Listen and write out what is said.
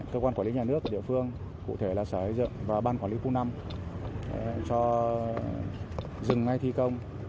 cơ quan quản lý nhà nước ở địa phương cụ thể là sở xây dựng và ban quản lý khu năm cho dừng ngay thi công